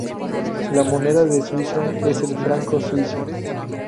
La moneda de Suiza es el franco suizo.